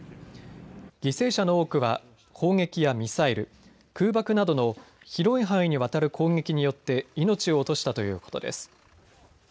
犠牲者の多くは砲撃やミサイル、空爆などの広い範囲にわたる攻撃によって命を落としたということです。